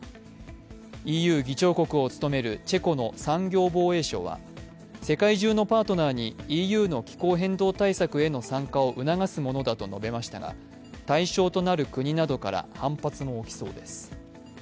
ＥＵ議長国を務めるチェコの産業貿易相は世界中のパートナーにＥＵの気候変動対策への参加を促すものだと述べましたが、対象となる国などから反発も起きそうです。